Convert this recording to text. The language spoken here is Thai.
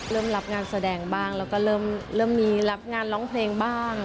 เริ่มรับงานแสดงบ้างแล้วก็เริ่มมีรับงานร้องเพลงบ้าง